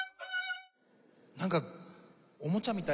なんかおもちゃみたいな。